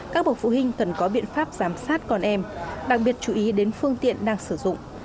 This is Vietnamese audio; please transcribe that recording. các bậc phụ huynh cần có biện pháp giám sát con em đặc biệt chú ý đến phương tiện đang sử dụng